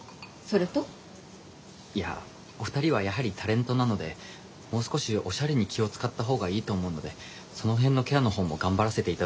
いやお二人はやはりタレントなのでもう少しオシャレに気を遣った方がいいと思うのでその辺のケアの方も頑張らせて頂けたらと。